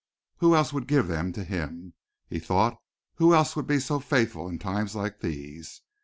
Who else would give them to him, he thought; who else would be so faithful in times like these?